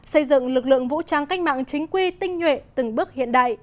xây dựng lực lượng vũ trang cách mạng chính quy tinh nhuệ từng bước hiện đại